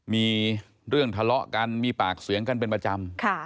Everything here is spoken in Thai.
มีเรื่องทะเลาะกันมีปากเสียงกันเป็นประจำ